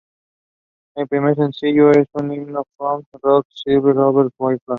El primer sencillo es un himno folk-rock, "Shine Over Babylon".